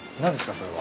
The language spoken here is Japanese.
それは。